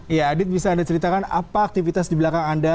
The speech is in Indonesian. ya adit bisa anda ceritakan apa aktivitas di belakang anda